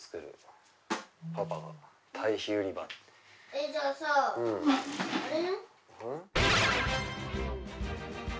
えじゃあさあれ？